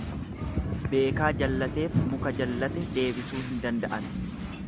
Beekaa jallateef muka jallate deebisuu hin danda'an.